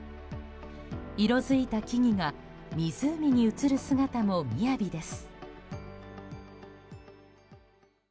色づいた木々が湖に映る姿もみやびです。